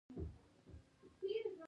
د غره زرکې ښکلې دي